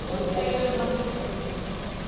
埋まってきてる。